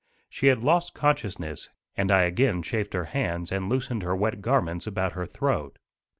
She had lost consciousness, and I again chafed her hands and loosened her wet garments about her throat.